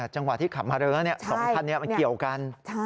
จังหวะที่ขับมาเร็วแล้ว๒คันนี้มันเกี่ยวกัน